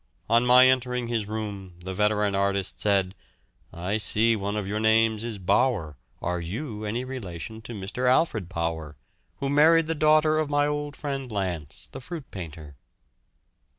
On my entering his room the veteran artist said "I see one of your names is 'Bower,' are you any relation to Mr. Alfred Bower, who married the daughter of my old friend Lance, the fruit painter."